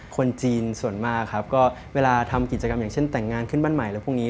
คนจีนส่วนมากครับก็เวลาทำกิจกรรมอย่างเช่นแต่งงานขึ้นบ้านใหม่อะไรพวกนี้